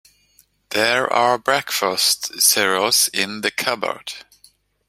There are breakfast cereals in the cupboard.